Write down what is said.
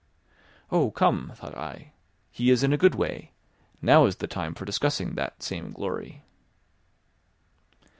"Oh, come!" thought I, "he is in a good way. Now is the time for discussing that same glory."